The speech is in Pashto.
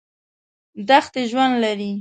دښتې ژوند لري.